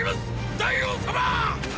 大王様ァ！！